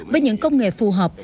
với những công nghệ phù hợp